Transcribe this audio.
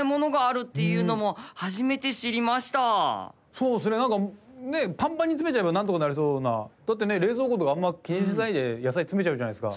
そうですねパンパンに詰めちゃえばなんとかなりそうなだってね冷蔵庫とかあんま気にしないで野菜詰めちゃうじゃないですか。